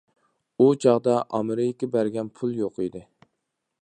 ئۇ چاغدا ئامېرىكا بەرگەن پۇل يوق ئىدى.